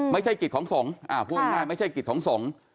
ไม่ใช่กิจของสงฆ์พูดง่ายไม่ใช่กิจของสงฆ์